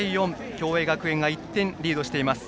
共栄学園が１点リードしています。